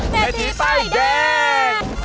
เมธีป้ายแดง